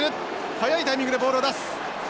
早いタイミングでボールを出す！